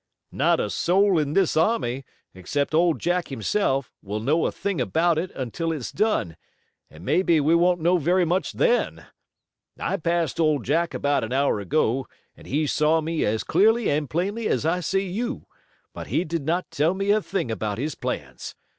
"Not a soul in all this army, except Old Jack himself, will know a thing about it, until it's done, and maybe we won't know very much then. I passed Old Jack about an hour ago and he saw me as clearly and plainly as I see you, but he did not tell me a thing about his plans.